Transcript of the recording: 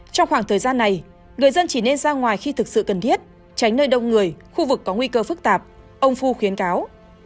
trong khoảng thời gian này người dân chỉ nên ra ngoài khi thực sự cần thiết tránh nơi đông người khu vực có nguy cơ phức tạp ông phu khuyến cáo